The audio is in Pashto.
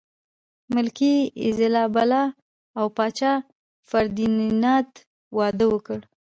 ملکې ایزابلا او پاچا فردیناند واده وکړ.